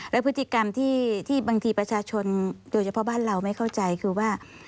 และพฤติกรรมที่บางทีประชาชนโดยเฉพาะบ้านเราไม่เข้าใจคือว่า